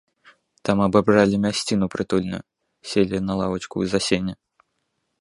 Там абабралі мясціну прытульную, селі на лавачку ў засені.